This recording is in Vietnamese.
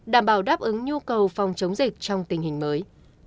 đảm bảo đáp ứng nhu cầu phòng chống dịch trong tình hình mới